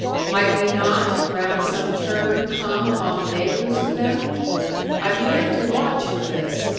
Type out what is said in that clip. Might we not, round some turn, come upon the makers of them? I began to watch for this.